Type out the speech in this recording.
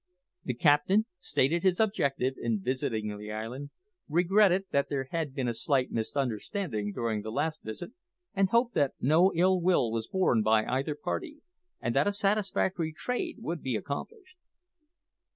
The captain stated his object in visiting the island, regretted that there had been a slight misunderstanding during the last visit, and hoped that no ill will was borne by either party, and that a satisfactory trade would be accomplished.